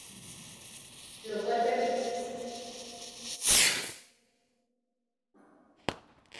Lo cual permite mejorar y cerrar favorablemente las acciones.